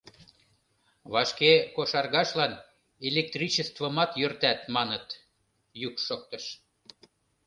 Вашке кошаргашлан электричествымат йӧртат, маныт, — йӱк шоктыш.